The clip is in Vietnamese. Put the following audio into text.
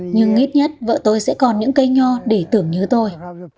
nhưng ít nhất vợ tôi sẽ còn những cây nho để tưởng nhớ tôi